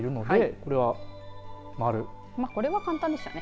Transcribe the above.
これは簡単でしたね。